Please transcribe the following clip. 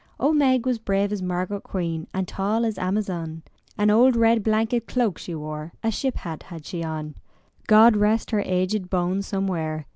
Old Meg was brave as Margaret Queen, And tall as Amazon; An old red blanket cloak she wore, A ship hat had she on; God rest her aged bones somewhere!